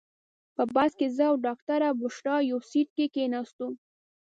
په بس کې زه او ډاکټره بشرا یو سیټ کې کېناستو.